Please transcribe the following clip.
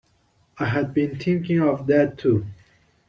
I had been thinking of that too.